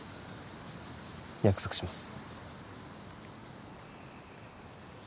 約束します